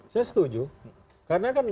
saya setuju karena kan